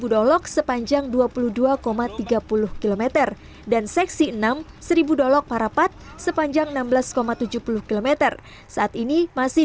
dolok sepanjang dua puluh dua tiga puluh km dan seksi enam seribu dolog parapat sepanjang enam belas tujuh puluh km saat ini masih